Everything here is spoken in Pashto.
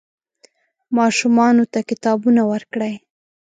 ماشومانو ته کتابونه ورکړئ.